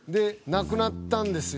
「亡くなったんですよ」